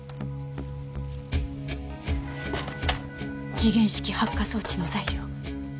時限式発火装置の材料。